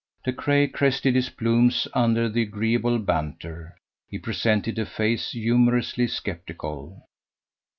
De Craye crested his plumes under the agreeable banter. He presented a face humourously sceptical.